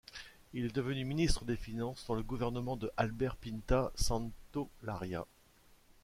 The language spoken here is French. Il est devenu ministre des finances dans le gouvernement de Albert Pintat Santolària.